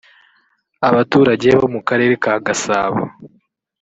Abaturage bo mu Karere ka Gasabo